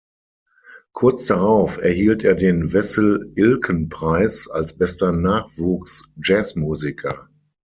Kurz darauf erhielt er den Wessel-Ilcken-Preis als bester Nachwuchs-Jazzmusiker.